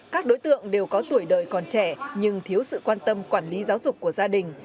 các đối tượng đều có tuổi đời còn trẻ nhưng thiếu sự quan tâm quản lý giáo dục của gia đình